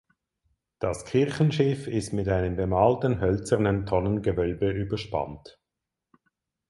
Das Kirchenschiff ist mit einem bemalten hölzernen Tonnengewölbe überspannt.